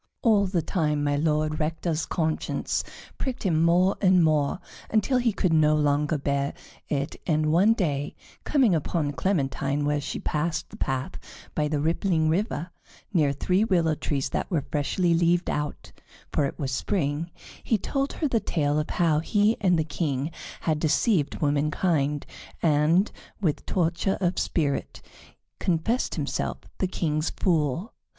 All the time My Lord Rector's conscience pricked him more and more, until he could no longer bear it, and one day, coming upon Clementine where she passed the path by the rippling river, near three willow trees that were freshly leaved out, for it was spring, he told her the tale of how he and the King had deceived womankind, and, with torture of spirit, confessed himself the King's Fool.